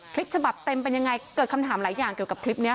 คลิปฉบับเต็มเป็นยังไงเกิดคำถามหลายอย่างเกี่ยวกับคลิปนี้